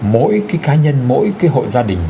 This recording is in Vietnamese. mỗi cái cá nhân mỗi cái hội gia đình